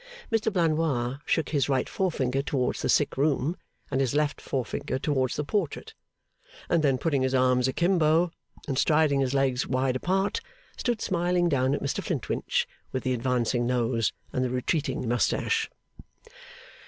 Mr Blandois shook his right forefinger towards the sick room, and his left forefinger towards the portrait, and then, putting his arms akimbo and striding his legs wide apart, stood smiling down at Mr Flintwinch with the advancing nose and the retreating moustache.